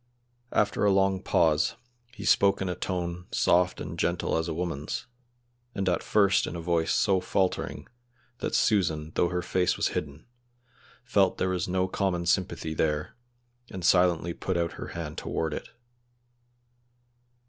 After a long pause he spoke in a tone soft and gentle as a woman's, and at first in a voice so faltering that Susan, though her face was hidden, felt there was no common sympathy there, and silently put out her hand toward it.